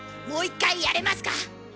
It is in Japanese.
もう一回やれますか？